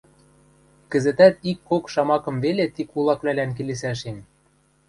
Кӹзӹтӓт ик-кок шамакым веле ти кулаквлӓлӓн келесӓшем.